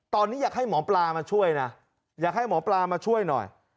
ตอนนี้อยากให้หมอปลามาช่วยนะอยากให้หมอปลามาช่วยหน่อย